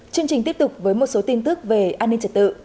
chương trình tiếp tục với một số tin tức về an ninh trật tự